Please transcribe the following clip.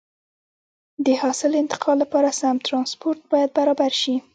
د حاصل انتقال لپاره سم ترانسپورت باید برابر شي.